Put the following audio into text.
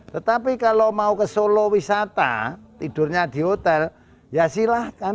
tetapi kalau mau ke solo wisata tidurnya di hotel ya silahkan